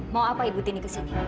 mau apa ibu tini kesini